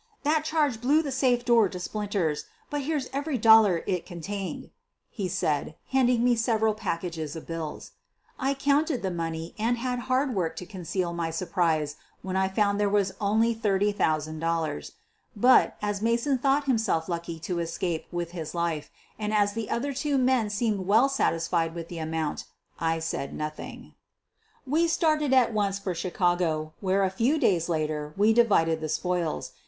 "That charge blew the safe door to splinters, but here's every dollar it contained," he said, handing me several packages of bills. ' I counted the money and had hard work to conceal my surprise when I found there was only $30,000. But, as Mason thought himself lucky to escape with his life and, as the other two men seemed well satis fied with the amount, I said nothing. QUEEN OF THE BURGLARS 13> We started at once for Chicago, where a few days later we divided the spoils.